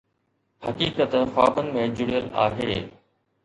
حقيقت خوابن ۾ جڙيل آهي